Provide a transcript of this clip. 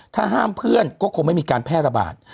ถ้าห้ามเพื่อนก็คงไม่มีการแพร่ระบาด